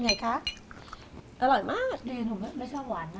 ของคุณยายถ้วน